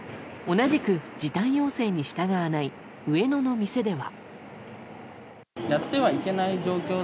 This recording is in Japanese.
同じく時短要請に従わない上野の店では。